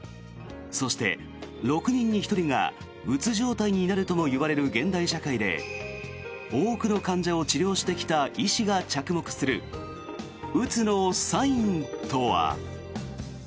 そして、６人に１人がうつ状態になるともいわれる現代社会で多くの患者を治療してきた医師が着目するうつのサインとは。